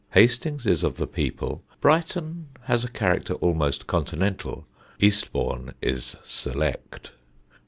Hastings is of the people; Brighton has a character almost continental; Eastbourne is select.